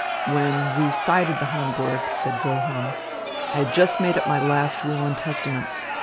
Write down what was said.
"When we sighted the Hamburg", said Wilhelm, "I had just made my last will and testament.